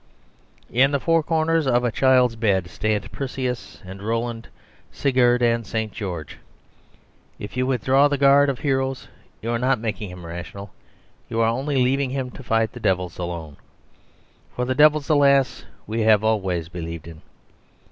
..... At the four corners of a child's bed stand Perseus and Roland, Sigurd and St. George. If you withdraw the guard of heroes you are not making him rational; you are only leaving him to fight the devils alone. For the devils, alas, we have always believed in.